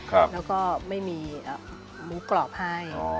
แล้วก็ไม่มีหมูกรอบให้